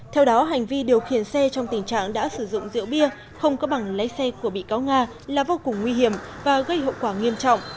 theo đó hành vi điều khiển xe trong tình trạng đã sử dụng rượu bia không có bảng lấy xe của bị cáo nga là vô cùng nguy hiểm và gây hậu quả nghiêm trọng